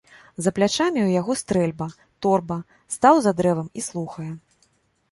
За плячамі ў яго стрэльба, торба, стаў за дрэвам і слухае.